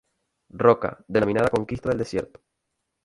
Roca, denominada Conquista del Desierto.